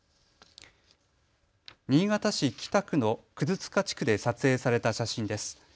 新潟市北区の葛塚地区で撮影された写真です。